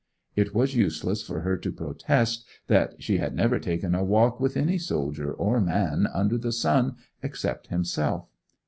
It was useless for her to protest that she had never taken a walk with any soldier or man under the sun except himself.